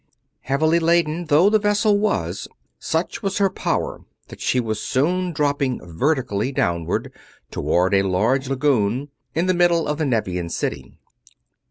Heavily laden though the vessel was, such was her power that she was soon dropping vertically downward toward a large lagoon in the middle of the Nevian city.